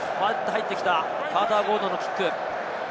入ってきた、カーター・ゴードンのキック。